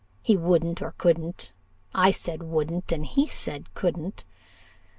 He wouldn't, or couldn't I said wouldn't, he said couldn't.